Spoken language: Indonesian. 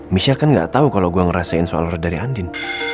michelle kan gak tau kalau gue ngerasain solar dari andin